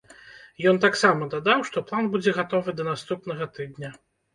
Ён таксама дадаў, што план будзе гатовы да наступнага тыдня.